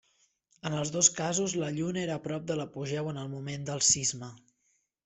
En els dos casos, la Lluna era prop de l'apogeu en el moment del sisme.